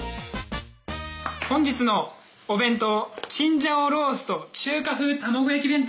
本日のお弁当チンジャオロースーと中華風卵焼き